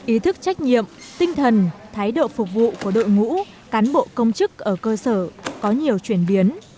ý thức trách nhiệm tinh thần thái độ phục vụ của đội ngũ cán bộ công chức ở cơ sở có nhiều chuyển biến